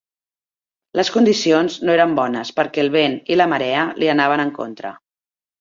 Les condicions no eren bones perquè el vent i la marea li anaven en contra.